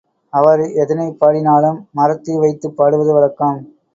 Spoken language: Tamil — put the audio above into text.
அவர் எதனைப் பாடினாலும் மரத்தை வைத்துப் பாடுவது வழக்கம்.